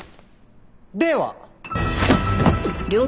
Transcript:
では。